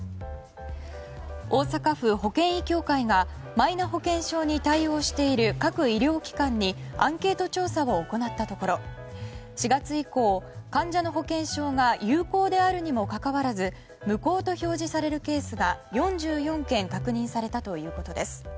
大阪府保険医協会がマイナ保険証に対応している各医療機関にアンケート調査を行ったところ４月以降、患者の保険証が有効であるにもかかわらず無効と表示されるケースが４４件確認されたということです。